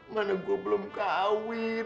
mana gue belum kawin